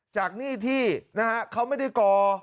จากหนี้ที่เขาไม่ได้ก่อ